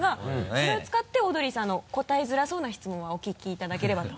それを使ってオードリーさんの答えづらそうな質問はお聞きいただければと。